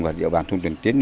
và địa bàn thông tin tiến